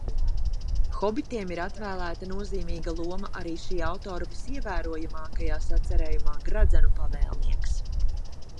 "Hobitiem ir atvēlēta nozīmīga loma arī šī autora visievērojamākajā sacerējumā "Gredzenu pavēlnieks"."